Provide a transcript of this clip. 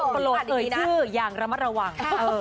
ตลกอย่างละมะระวัง